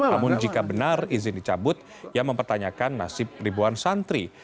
namun jika benar izin dicabut ia mempertanyakan nasib ribuan santri